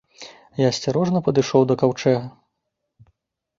Я асцярожна падышоў да каўчэга.